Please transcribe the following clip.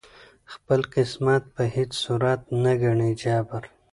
خپل قسمت په هیڅ صورت نه ګڼي جبر